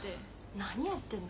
何やってんの？